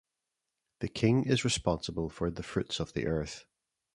The king is responsible for the fruits of the earth.